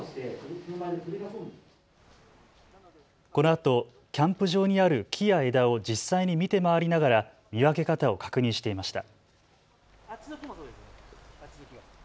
このあとキャンプ場にある木や枝を実際に見て回りながら見分け方を確認していました。